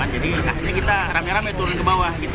jadi ini kita rame rame turun ke bawah